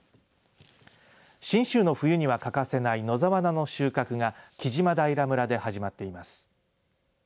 信州の冬には欠かせない野沢菜の収穫が木島平村で始まっています。